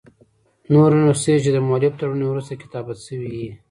نوري نسخې، چي دمؤلف تر مړیني وروسته کتابت سوي يي.